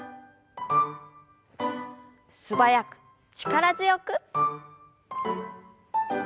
素早く力強く。